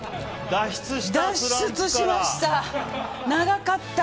脱出しました。